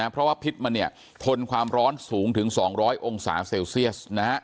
เพราะว่าพิษมันทนความร้อนสูงถึง๒๐๐องศาเซลเซียส